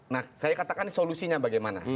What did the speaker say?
nah saya katakan solusinya bagaimana